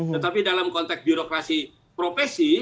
tetapi dalam konteks birokrasi profesi